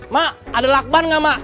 mak ada lakban nggak mak